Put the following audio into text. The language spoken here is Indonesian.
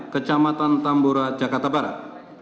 kecamatan tambora jakarta barat